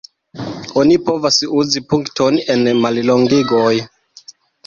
Oni povas uzi punkton en mallongigoj.